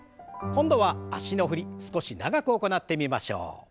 今度は脚の振り少し長く行ってみましょう。